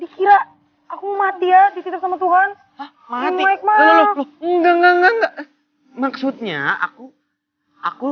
dikira aku mati ya dititip sama tuhan mati enggak enggak maksudnya aku aku